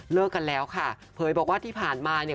กันแล้วค่ะเผยบอกว่าที่ผ่านมาเนี่ย